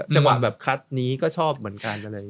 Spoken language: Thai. จังหวะแบบคัดนี้ก็ชอบเหมือนกัน